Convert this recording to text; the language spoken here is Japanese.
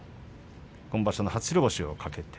今場所初白星を懸けます。